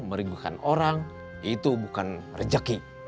meriguhkan orang itu bukan rezeki